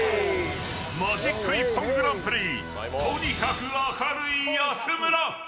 マジック一本グランプリとにかく明るい安村。